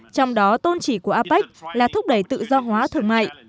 trong đó tôn chỉ của apec là thúc đẩy tự do hóa thương mại